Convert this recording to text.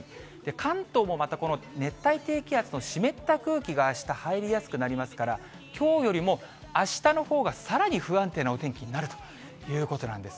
関東もまたこの熱帯低気圧の湿った空気があした入りやすくなりますから、きょうよりも、あしたのほうがさらに不安定なお天気になるということなんです。